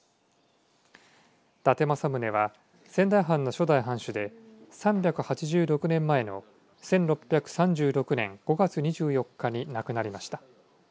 伊達政宗は仙台藩の初代藩主で３８６年前の１６３６年５月２４日に亡くなりました。